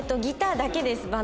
ギターだけです